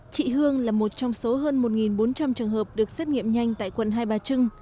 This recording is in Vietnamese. chị hương là một trong số hơn một bốn trăm linh trường hợp được xét nghiệm nhanh tại quận hai bà trưng